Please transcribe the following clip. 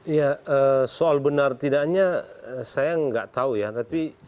iya soal benar tidaknya saya nggak tahu ya tapi